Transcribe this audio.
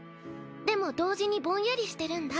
でも同時にぼんやりしてるんだ。